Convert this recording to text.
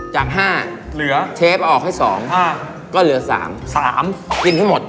จับ๕เชฟออกให้๒ก็เหลือ๓ชั้นคือหมด